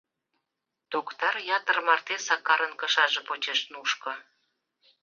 Токтар ятыр марте Сакарын кышаже почеш нушко.